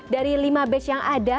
dari lima batch yang ada